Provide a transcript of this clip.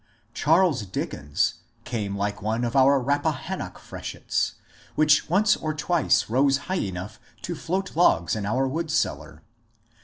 Charles Dickens came like one of our Rappahannock freshets, which once or twice rose high enough to float logs in our wood cellar.